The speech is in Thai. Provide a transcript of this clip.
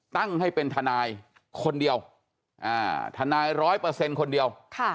ตั้งให้เป็นทนายคนเดียวทนายร้อยเปอร์เซ็นต์คนเดียว